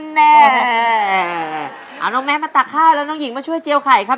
นั่นแหละเอาน้องมาตักข้าวแล้วหญิงมาช่วยเจียวไข่ครับ